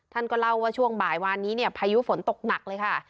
ท่านก็เล่าว่าช่วงบ่ายวานนี้เนี่ยพายุฝนตกหนักเลยค่ะ